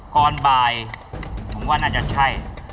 ก่อนบ่ายผมว่าน่าจะใช่